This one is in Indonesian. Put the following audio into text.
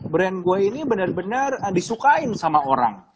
brand gue ini benar benar disukain sama orang